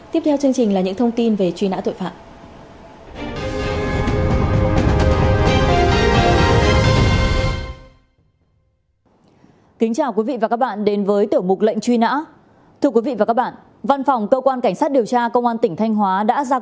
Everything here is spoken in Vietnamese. tiếp theo là những thông tin về truy nã tội phạm